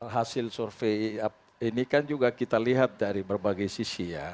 hasil survei ini kan juga kita lihat dari berbagai sisi ya